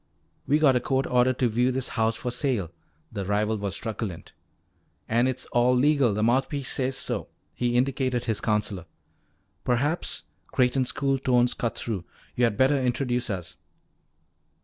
"We got a court order to view this house for sale." The rival was truculent. "An' it's all legal. The mouthpiece says so," he indicated his counselor. "Perhaps," Creighton's cool tones cut through, "you had better introduce us."